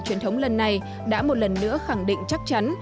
truyền thống lần này đã một lần nữa khẳng định chắc chắn